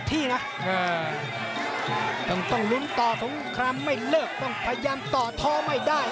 ที่นะต้องลุ้นต่อสงครามไม่เลิกต้องพยายามต่อท้อไม่ได้